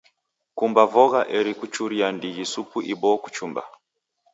Kumba vogha eri kuichuria ndighi supu iboo kuchumba.